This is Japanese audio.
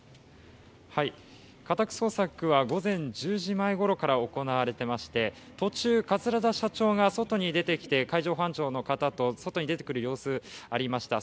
家宅捜索は午前１０時前ごろから行われていまして途中、桂田社長が外に出てきて海上保安庁の方と外に出てくる様子、ありました。